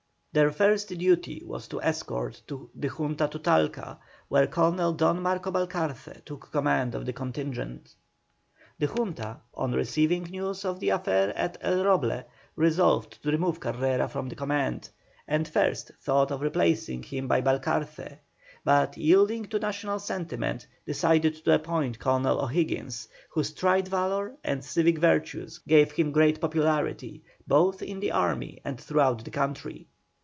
Their first duty was to escort the Junta to Talca, where Colonel Don Marcos Balcarce took command of the contingent. The Junta, on receiving news of the affair at El Roble, resolved to remove Carrera from the command, and first thought of replacing him by Balcarce, but, yielding to national sentiment, decided to appoint Colonel O'Higgins, whose tried valour and civic virtues gave him great popularity, both in the army and throughout the country.